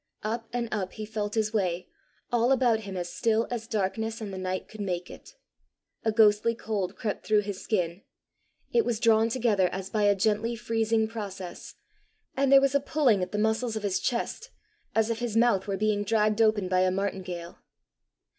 Up and up he felt his way, all about him as still as darkness and the night could make it. A ghostly cold crept through his skin; it was drawn together as by a gently freezing process; and there was a pulling at the muscles of his chest, as if his mouth were being dragged open by a martingale.